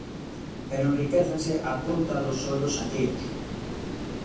Pero enriquécense a conta dos soldos alleos.